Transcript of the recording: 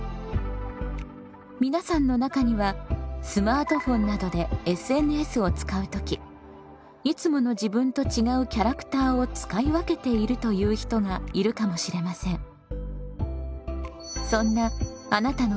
皆さんの中にはスマートフォンなどでＳＮＳを使う時いつもの自分と違うキャラクターを使い分けているという人がいるかもしれません。